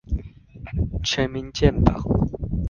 全民健保